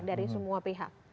dari semua pihak